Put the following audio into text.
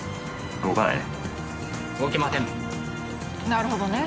なるほどね。